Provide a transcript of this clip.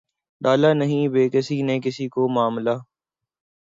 ڈالا نہ بیکسی نے کسی سے معاملہ